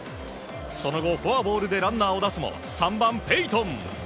その後、フォアボールでランナーを出すも、ペイトン。